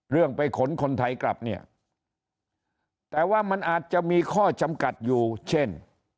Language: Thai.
เรื่องไปขนคนไทยกลับเนี่ยแต่ว่ามันอาจจะมีข้อจำกัดอยู่เช่น